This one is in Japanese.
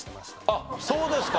あっそうですか。